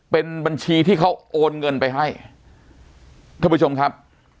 เป็นบัญชีที่เขาโอนเงินไปให้ท่านผู้ชมครับ